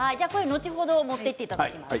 後ほど持っていっていただきます。